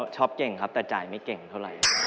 ชอบเก่งครับแต่จ่ายไม่เก่งเท่าไหร่